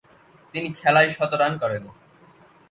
তিনি খেলায় শতরান করেন।